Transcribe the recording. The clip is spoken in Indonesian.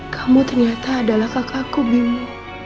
kamu ternyata adalah kakakku bingung